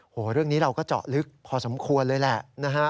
เรื่องนี้เราก็เจาะลึกพอสมควรเลยแหละนะฮะ